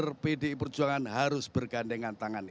pada saat itu kader pdi perjuangan harus bergandengan tangan